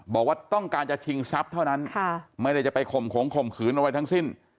บอกว่าต้องการจะชิงทรัพย์เท่านั้นไม่ได้จะไปข่มขงข่มขืนอะไรทั้งสิ้น